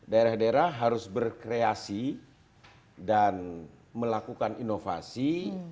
daerah daerah harus berkreasi dan melakukan inovasi